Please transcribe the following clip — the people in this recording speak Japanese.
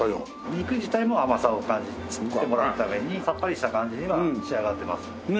肉自体も甘さを感じてもらうためにサッパリした感じには仕上がってます。